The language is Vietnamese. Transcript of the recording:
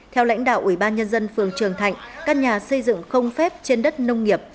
theo lãnh đạo ủy ban nhân dân phường trường thạnh căn nhà xây dựng không phép trên đất nông nghiệp